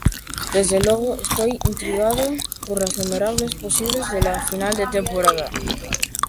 Desde luego, estoy intrigado por las innumerables posibilidades de la final de la temporada.